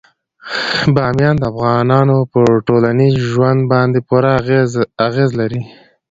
بامیان د افغانانو په ټولنیز ژوند باندې پوره اغېز لري.